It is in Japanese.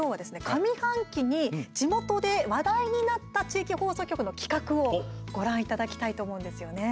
上半期に地元で話題になった地域放送局の企画をご覧いただきたいと思うんですよね。